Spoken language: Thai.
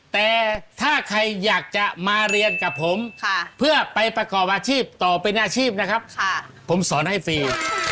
แต่ถ้าใครอยากจะมาเรียนกับผมเพื่อไปประกอบอาชีพต่อเป็นอาชีพนะครับผมสอนให้ฟรี